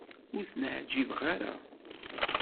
Ur ten-ɛjibeɣ ara.